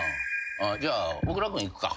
じゃあ大倉君いくか。